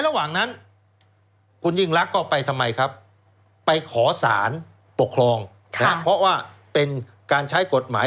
ตอนนั้นศาสตร์ท่านบอกว่าไงครับ